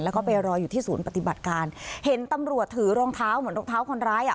แล้วก็ไปรออยู่ที่ศูนย์ปฏิบัติการเห็นตำรวจถือรองเท้าเหมือนรองเท้าคนร้ายอ่ะ